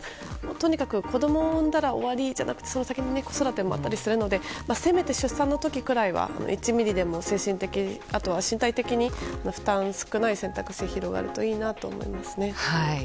とにかく子供を産んだら終わりじゃなくてその先に子育てもあったりするのでせめて出産の時くらいは１ミリでも精神的あとは身体的に負担が少ない選択肢が広がるといいなと思います。